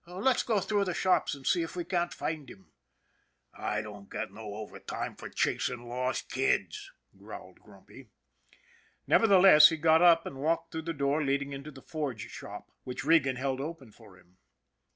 Let's go through the shops and see if we can't find him." " I don't get no overtime fer chasin' lost kids," growled Grumpy. Nevertheless, he got up and walked through the door leading into the forge shop, which Regan held open for him.